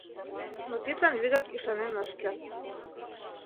Но тидлан вигак ӱшанен ыш керт.